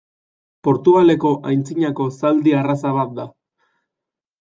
Portugaleko antzinako zaldi arraza bat da.